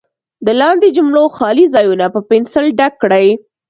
د لاندې جملو خالي ځایونه په پنسل ډک کړئ.